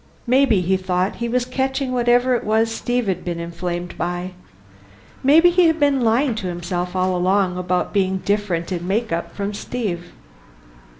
Maybe, he thought, he was catching whatever it was Steve had been inflamed by. Maybe he had been lying to himself all along, about being different in makeup from Steve.